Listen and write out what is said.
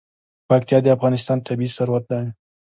پکتیا د افغانستان طبعي ثروت دی.